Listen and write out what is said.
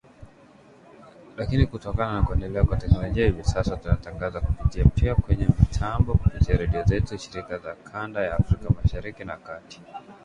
Lakini kutokana na kuendelea kwa teknolojia hivi sasa tunatangaza kupitia pia kwenye mitambo kupitia redio zetu, shirika za kanda ya Afrika Mashariki na Kati.